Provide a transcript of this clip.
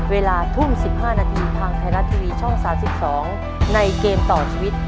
เวลาทุ่ม๑๕นาทีทางไทยรัฐทีวีช่อง๓๒ในเกมต่อชีวิต